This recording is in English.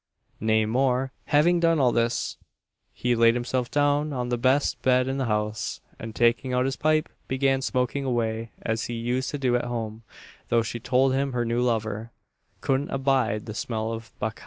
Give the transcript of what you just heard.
Nay more having done all this, he laid himself down on the best bed in the house, and, taking out his pipe, began smoking away as he used to do at home; though she told him her new lover "couldn't abide the smell of baccah."